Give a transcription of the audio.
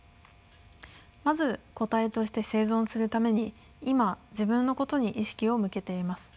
まず個体として生存するために今自分のことに意識を向けています。